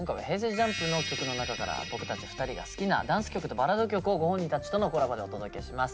ＪＵＭＰの曲の中から僕たち２人が好きなダンス曲とバラード曲をご本人たちとのコラボでお届けします。